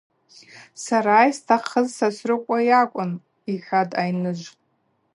Сара йыстахъыз Сосрыкъва йакӏвын,—йхӏватӏ айныжв.